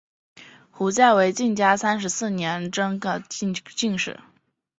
胡价为嘉靖三十四年中式壬戌科三甲进士。